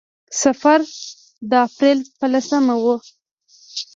سفر د اپرېل په لسمه و.